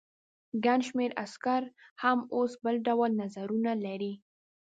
ګڼ شمېر عسکر هم اوس بل ډول نظرونه لري.